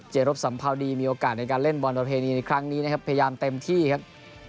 รบสัมภาวดีมีโอกาสในการเล่นบอลประเพณีในครั้งนี้นะครับพยายามเต็มที่ครับ